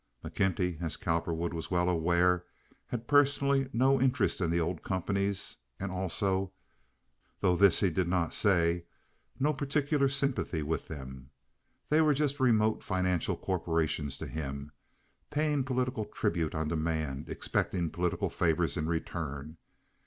McKenty, as Cowperwood was well aware, had personally no interest in the old companies and also—though this he did not say—no particular sympathy with them. They were just remote financial corporations to him, paying political tribute on demand, expecting political favors in return.